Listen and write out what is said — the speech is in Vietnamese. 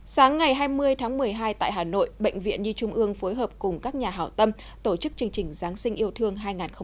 sáng ngày hai mươi tháng một mươi hai tại hà nội bệnh viện nhi trung ương phối hợp cùng các nhà hảo tâm tổ chức chương trình giáng sinh yêu thương hai nghìn hai mươi